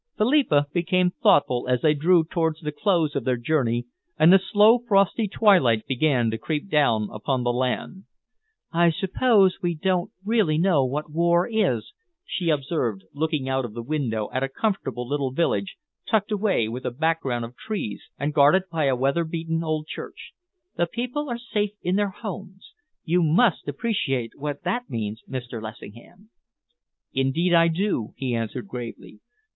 Philippa became thoughtful as they drew towards the close of their journey and the slow, frosty twilight began to creep down upon the land. "I suppose we don't really know what war is," she observed, looking out of the window at a comfortable little village tucked away with a background of trees and guarded by a weather beaten old church. "The people are safe in their homes. You must appreciate what that means, Mr. Lessingham." "Indeed I do," he answered gravely.